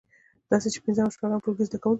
داسې چې د پنځم او شپږم ټولګي زده کوونکی